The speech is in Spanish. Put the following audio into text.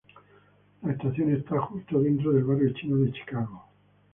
La estación está justo dentro del Barrio Chino de Chicago.